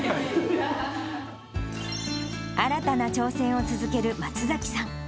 新たな挑戦を続ける松崎さん。